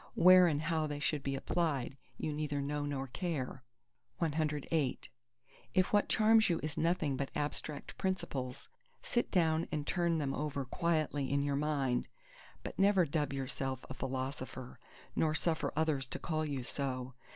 Where and how they should be applied you neither know nor care. CIX If what charms you is nothing but abstract principles, sit down and turn them over quietly in your mind: but never dub yourself a Philosopher, nor suffer others to call you so.